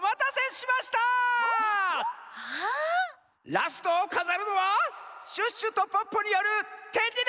ラストをかざるのはシュッシュとポッポによるてじなです！